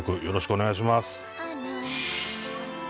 よろしくお願いします。